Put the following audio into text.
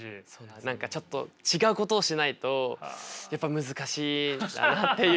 何かちょっと違うことをしないとやっぱ難しいなっていうのを。